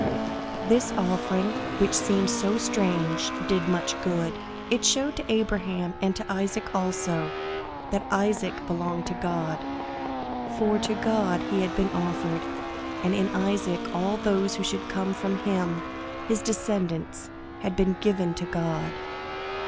This offering, which seems so strange, did much good. It showed to Abraham, and to Isaac also, that Isaac belonged to God, for to God he had been offered; and in Isaac all those who should come from him, his descendants, had been given to God.